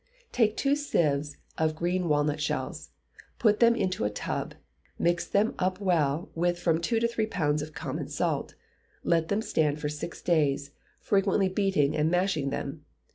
Take two sieves of green walnut shells, put them into a tub, mix them up well with from two to three pounds of common salt, let them stand for six days, frequently beating and mashing them.